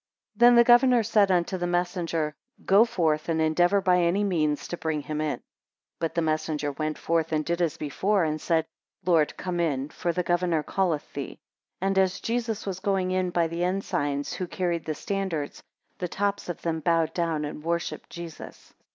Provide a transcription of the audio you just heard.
18 Then the governor said unto the messenger, Go forth and endeavour by any means to bring him in. 19 But the messenger went forth and did as before; and said, Lord come in, for the governor calleth thee. 20 And as Jesus was going in by the ensigns, who carried the standards, the tops of them bowed down and worshipped Jesus.